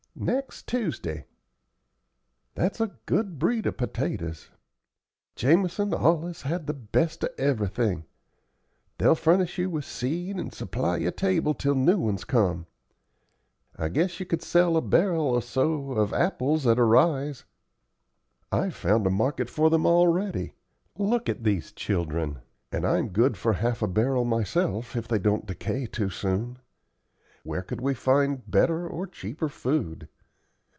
"Next Tuesday. That's a good breed of potatoes. Jamison allus had the best of everything. They'll furnish you with seed, and supply your table till new ones come. I guess you could sell a barrel or so of apples at a rise." "I've found a market for them already. Look at these children; and I'm good for half a barrel myself if they don't decay too soon. Where could we find better or cheaper food?